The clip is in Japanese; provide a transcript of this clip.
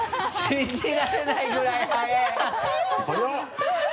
信じられないぐらい速い！